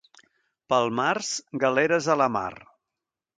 Pel març, galeres a la mar.